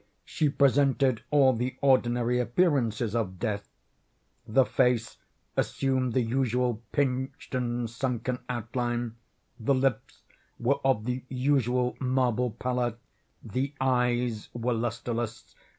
She presented all the ordinary appearances of death. The face assumed the usual pinched and sunken outline. The lips were of the usual marble pallor. The eyes were lustreless.